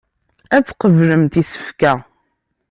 Ad tqeblemt isefka.